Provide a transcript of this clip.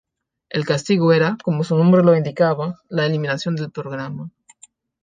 El castigo era, como su nombre lo indicaba, la eliminación del programa.